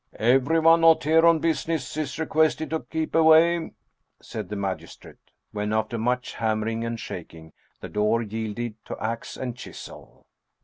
" Everyone not here on business is requested to keep away !" said the magistrate, when, after much hammering and shaking, the door yielded to ax and chisel.